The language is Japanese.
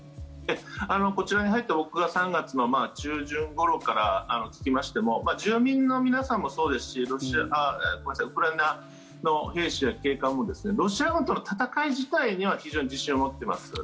こちらに僕が入った３月中旬ごろから住民の皆さんもそうですしウクライナの兵士や警官もロシア軍との戦い自体には非常に自信を持っております。